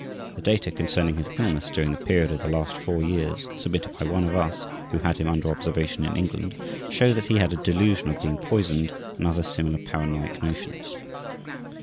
The data concerning his illness during the period of the last four years submitted by one of us who had him under observation in England, show that he had a delusion of being poisoned and other similar paranoic notions.